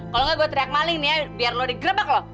kalau nggak gue teriak maling nih ya biar lo digrebek loh